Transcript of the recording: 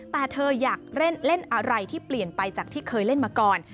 แต่เธออยากเล่นอะไรที่เปลี่ยนไปจากที่เคยเล่นมาก่อน